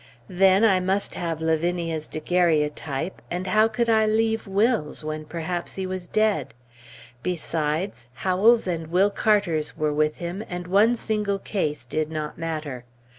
Then, I must have Lavinia's daguerreotype, and how could I leave Will's, when perhaps he was dead? Besides, Howell's and Will Carter's were with him, and one single case did not matter.